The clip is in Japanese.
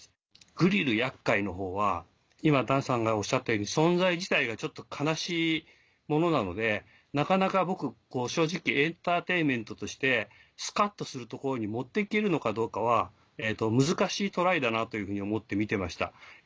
グリル厄介のほうは今檀さんがおっしゃったように存在自体がちょっと悲しいものなのでなかなか僕正直エンターテインメントとしてスカっとするところに持って行けるのかどうかは難しいトライだなというふうに思って見てました。